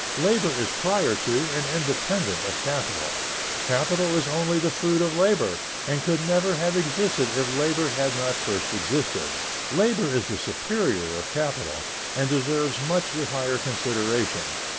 Labor is prior to and independent of capital. Capital is only the fruit of labor, and could never have existed if labor had not first existed. Labor is the superior of capital, and deserves much the higher consideration.